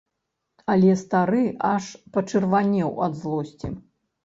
Але стары аж пачырванеў ад злосці.